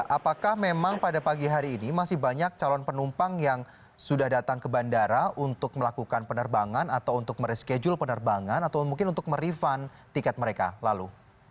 apakah memang pada pagi hari ini masih banyak calon penumpang yang sudah datang ke bandara untuk melakukan penerbangan atau untuk mereschedule penerbangan atau mungkin untuk merefund tiket mereka lalu